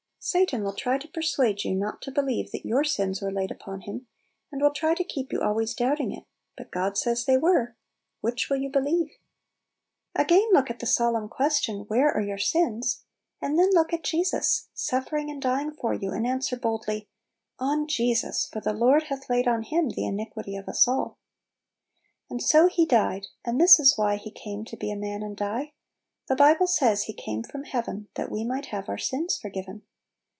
Satan will try to persuade you not to believe that your sins were laid upon Him, and will try to keep you always doubting it; but God says they were ! Which will you believe? Again look at the solemn question, H Where are your sins?' and then look 24 Little Pillows. at Jeans, suffering and dying for you, and answer boldly, "On Jesus! for 'the Lord hath laid on Him the iniquity 61 us all/" And so He died ! And this is why He came to be a man and die: The Bible says He came from heaven, That we might have our sins forgiven.